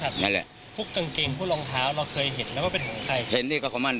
พวกกางเกงพวกรองเท้าเราเคยเห็นแล้วเป็นของใคร